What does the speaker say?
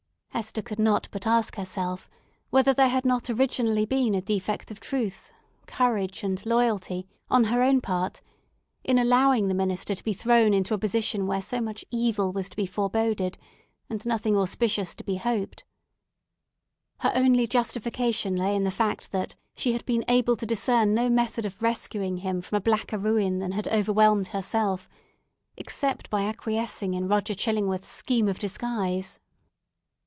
Hester could not but ask herself whether there had not originally been a defect of truth, courage, and loyalty on her own part, in allowing the minister to be thrown into a position where so much evil was to be foreboded and nothing auspicious to be hoped. Her only justification lay in the fact that she had been able to discern no method of rescuing him from a blacker ruin than had overwhelmed herself except by acquiescing in Roger Chillingworth's scheme of disguise.